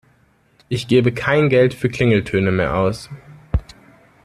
Ich gebe kein Geld für Klingeltöne mehr aus.